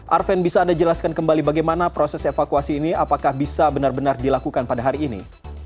arven bisa anda jelaskan kembali bagaimana proses evakuasi ini apakah bisa benar benar dilakukan pada hari ini